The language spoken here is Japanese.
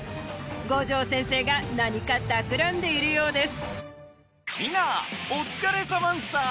五条先生が何かたくらんでいるようです